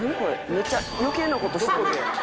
めっちゃ余計な事してるやん」